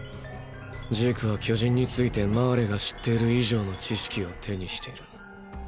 ジークは巨人についてマーレが知っている以上の知識を手にしている。